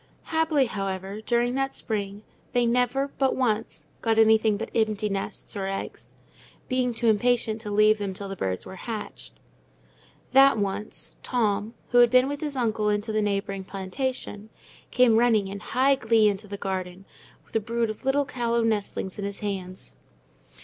Happily, however, during that spring, they never, but once, got anything but empty nests, or eggs—being too impatient to leave them till the birds were hatched; that once, Tom, who had been with his uncle into the neighbouring plantation, came running in high glee into the garden, with a brood of little callow nestlings in his hands.